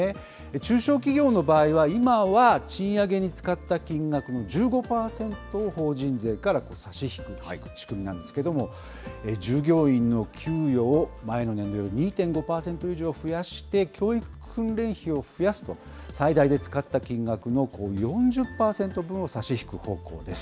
中小企業の場合は、今は賃上げに使った金額の１５％を法人税から差し引く仕組みなんですけれども、従業員の給与を前の年度より２．５％以上増やして、教育訓練費を増やすと、最大で使った金額の４０％分を差し引く方向です。